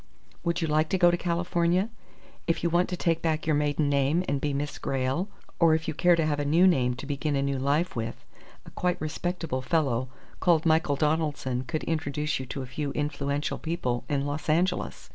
"Would you like to go to California? If you want to take back your maiden name and be Miss Grayle or if you care to have a new name to begin a new life with, a quite respectable fellow called Michael Donaldson could introduce you to a few influential people in Los Angeles.